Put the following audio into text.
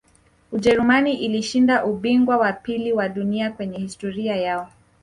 ujerumani ilishinda ubingwa wa pili wa dunia kwenye historia yao